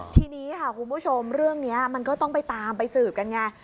ทีนี้ค่ะคุณผู้ชมเรื่องนี้มันก็ต้องไปตามไปสืบกันไง